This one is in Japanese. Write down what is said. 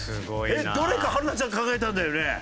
えっどれか春奈ちゃん考えたんだよね？